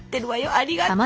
ありがとう！